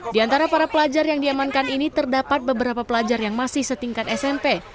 di antara para pelajar yang diamankan ini terdapat beberapa pelajar yang masih setingkat smp